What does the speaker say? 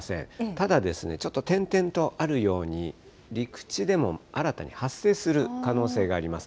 ただですね、ちょっと点々とあるように、陸地でも新たに発生する可能性があります。